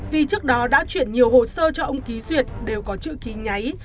vì trước đó đã chuyển nhiều hồ sơ cho ông ký duyệt đều có chữ ký nháy